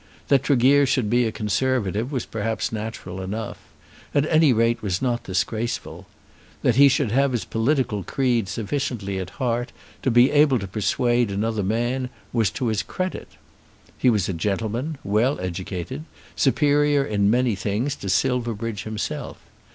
That a Tregear should be a Conservative was perhaps natural enough at any rate, was not disgraceful; that he should have his political creed sufficiently at heart to be able to persuade another man, was to his credit. He was a gentleman, well educated, superior in many things to Silverbridge himself.